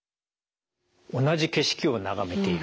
同じ景色を眺めている。